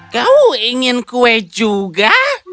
kau ingin kue juga